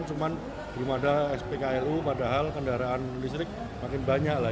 cuma belum ada spklu padahal kendaraan listrik makin banyak lah